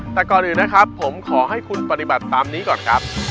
แต่ก่อนอื่นนะครับผมขอให้คุณปฏิบัติตามนี้ก่อนครับ